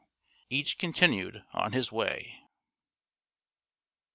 Each continued on his way.